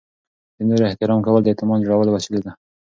د نورو احترام کول د اعتماد جوړولو وسیله ده.